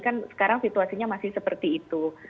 kan sekarang situasinya masih seperti itu